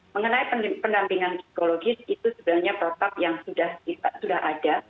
mengenai pendampingan psikologi itu sebenarnya protak yang sudah ada